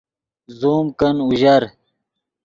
زوم کن اوژر